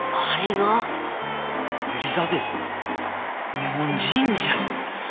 日本人じゃん。